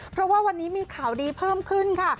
เพราะว่าวันนี้มีข่าวดีเพิ่มขึ้นค่ะ